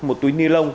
một bánh heroin